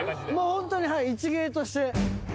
ホントに一芸として。